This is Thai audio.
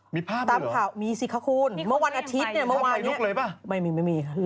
มีภาพหรือหรือมีสิคะคูณเมื่อวานอาทิตย์เนี่ยเมื่อวานนี้ไม่มี